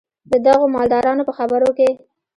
د دغو مالدارانو په خبرو کې.